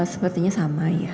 sepertinya sama ya